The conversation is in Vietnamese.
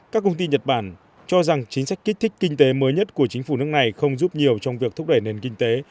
các công ty nhật bản cho rằng chính sách kích thích kinh tế mới nhất của chính phủ nước này không giúp nhiều trong việc thúc đẩy nền kinh tế